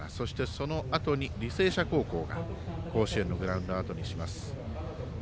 そのあとに、履正社高校が甲子園のグラウンドをあとにします。